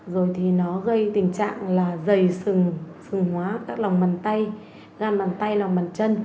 rồi thì nó gây tình trạng là dày sừng sừng hóa các lòng bàn tay gan bàn tay lòng bàn chân